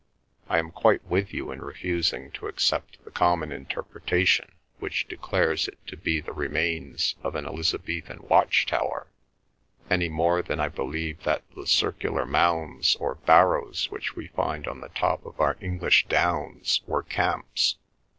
I am quite with you in refusing to accept the common interpretation which declares it to be the remains of an Elizabethan watch tower—any more than I believe that the circular mounds or barrows which we find on the top of our English downs were camps.